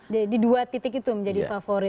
jadi dua titik itu menjadi favorit